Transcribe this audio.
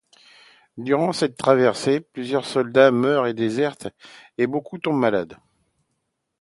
Durant cette traversée, plusieurs soldats meurent ou désertent et beaucoup tombent malades.